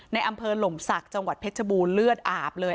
ในอำเภอหล่มศักดิ์จังหวัดเพชรบูรณเลือดอาบเลย